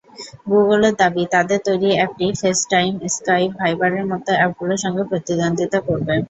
গুগলের দাবি, তাদের তৈরি অ্যাপটি ফেসটাইম, স্কাইপ, ভাইবারের মতো অ্যাপগুলোর সঙ্গে প্রতিদ্বন্দ্বিতা করবে।